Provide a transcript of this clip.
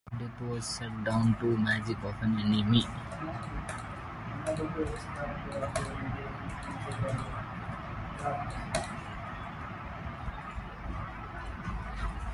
The death was set down to the magic of an enemy.